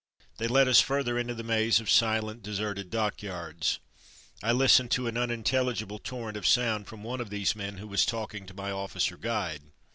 They led us farther into the maze of silent, de serted dockyards. I listened to an unintelli gible torrent of sound from one of these men who was talking to my officer guide.